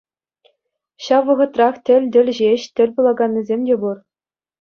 Ҫав вӑхӑтрах тӗл-тӗл ҫеҫ тӗл пулаканнисем те пур.